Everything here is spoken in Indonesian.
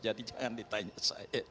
jadi jangan ditanya saya